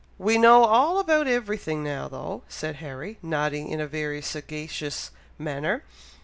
"We know all about every thing now though!" said Harry, nodding in a very sagacious manner.